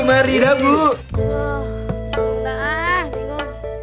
mari dah bu